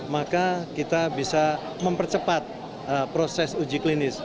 maka kita bisa mempercepat proses uji klinis